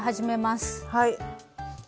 はい。